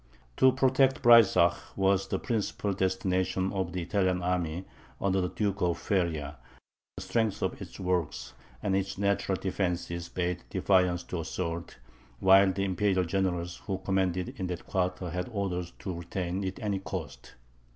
To protect Breysach, was the principal destination of the Italian army, under the Duke of Feria; the strength of its works, and its natural defences, bade defiance to assault, while the Imperial generals who commanded in that quarter had orders to retain it at any cost.